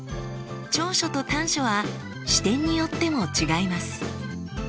長所と短所は視点によっても違います。